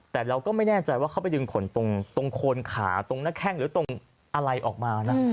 แต่เราก็ไม่แน่ใจว่าเขาไปดึงขนตรงโคนขาตรงหน้าแข้งหรือตรงอะไรออกมานะ